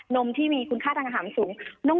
นมที่มีคุณค่าทางอาหารสูง